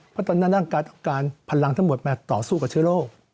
เพราะตอนนั้นเอาการพลังทั้งหมดมาต่อสู้กับเชื้อโรค